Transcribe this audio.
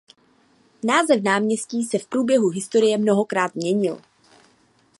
Název náměstí se v průběhu historie mnohokrát měnil.